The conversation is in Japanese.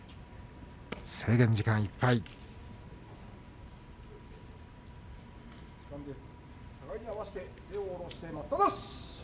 制限時間いっぱいです。